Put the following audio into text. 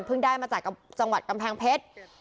ได้มาจากจังหวัดกำแพงเพชร